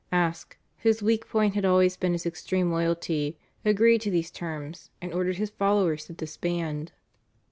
Aske, whose weak point had always been his extreme loyalty, agreed to these terms, and ordered his followers to disband.